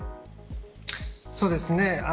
そうですね。